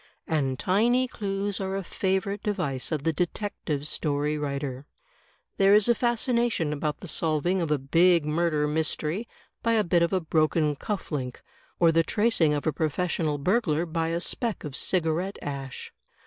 And tiny clues are a favorite device of the detective story writer. There is a fascination about the solving of a big murder mystery by a bit of a broken cuff link; or the tracing of a professional burglar by a speck of cigarette ash.